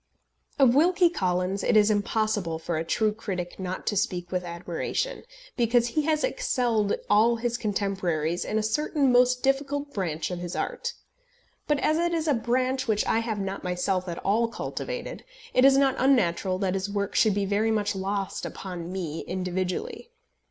Of Wilkie Collins it is impossible for a true critic not to speak with admiration, because he has excelled all his contemporaries in a certain most difficult branch of his art; but as it is a branch which I have not myself at all cultivated, it is not unnatural that his work should be very much lost upon me individually.